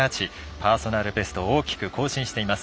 パーソナルベストを大きく更新しています。